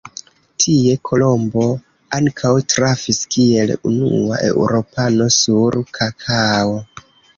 Tie Kolombo ankaŭ trafis kiel unua eŭropano sur kakao.